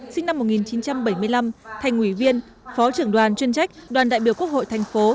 sinh năm một nghìn chín trăm bảy mươi năm thành ủy viên phó trưởng đoàn chuyên trách đoàn đại biểu quốc hội thành phố